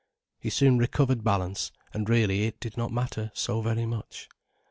He soon recovered balance, and really it did not matter so very much.